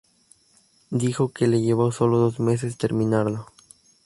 Dijo que le llevó sólo dos meses terminarlo.